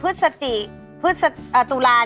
ดีมาก